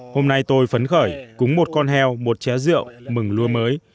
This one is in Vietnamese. hôm nay tôi phấn khởi cúng một con heo một ché rượu mừng lúa mới